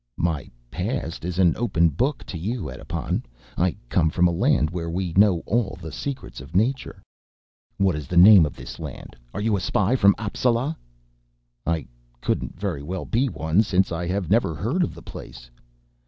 "My past is an open book to you, Edipon. I come from a land where we know all the secrets of nature " "What is the name of this land? Are you a spy from Appsala?" "I couldn't very well be one since I have never heard of the place."